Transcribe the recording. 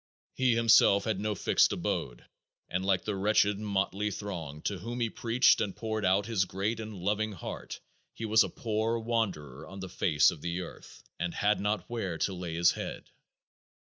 He himself had no fixed abode and like the wretched, motley throng to whom he preached and poured out his great and loving heart, he was a poor wanderer on the face of the earth and "had not where to lay his head."